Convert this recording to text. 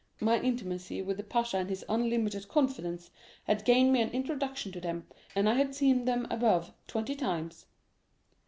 '—'My intimacy with the pasha and his unlimited confidence had gained me an introduction to them, and I had seen them above twenty times.